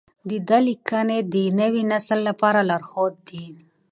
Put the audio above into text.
د ده لیکنې د نوي نسل لپاره لارښود دي.